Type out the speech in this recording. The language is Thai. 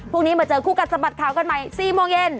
พรุ่งนี้มาเจอคู่กัดสะบัดข่าวกันใหม่๔โมงเย็น